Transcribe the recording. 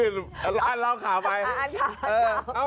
นี่อ่อนขาวอันนี้เขล่าน่ะ